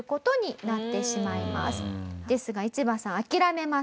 ですがイチバさん諦めません。